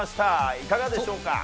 いかがでしょうか。